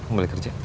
ayo kembali kerja